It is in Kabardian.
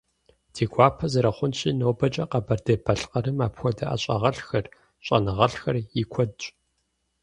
Ди гуапэ зэрыхъунщи, нобэкӀэ Къэбэрдей-Балъкъэрым апхуэдэ ӀэщӀагъэлӀхэр, щӀэныгъэлӀхэр и куэдщ.